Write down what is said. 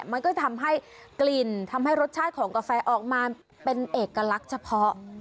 มันก็ทำให้กลิ่นทำให้รสชาติของกาแฟออกมาเป็นเอกลักษณ์เฉพาะ